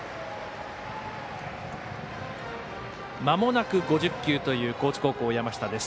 まもなく５０球という高知高校の山下。